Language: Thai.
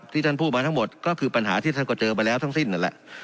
ที่ท่านพูดมาทั้งหมดก็คือปัญหาที่ท่านก็เจอไปแล้วทั้งสิ้นนั่นแหละ